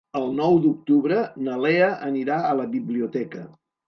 El nou d'octubre na Lea anirà a la biblioteca.